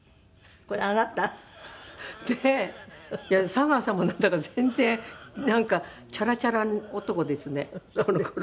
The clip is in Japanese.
佐川さんもなんだか全然なんかチャラチャラ男ですねこの頃。